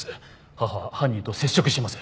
母は犯人と接触しています。